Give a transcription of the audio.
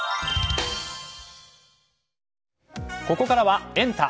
ここからはエンタ！